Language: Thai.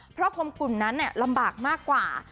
เพราะโครมกุ่นนั้นน่ะลำบากมากกว่า